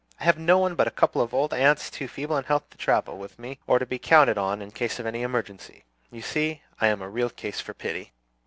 I have no one but a couple of old aunts, too feeble in health to travel with me or to be counted on in case of any emergency. You see, I am a real case for pity."